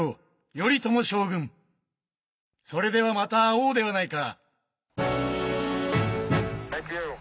それではまた会おうではないか。